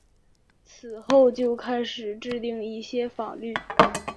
此后就开始制定一些法律。